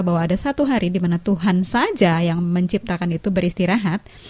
bahwa ada satu hari di mana tuhan saja yang menciptakan itu beristirahat